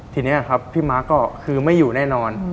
ทีนี้ครับพี่มาร์คก็คือไม่อยู่แน่นอน